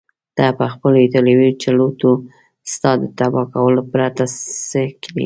ده پخپلو ایټالوي چلوټو ستا د تباه کولو پرته څه کړي.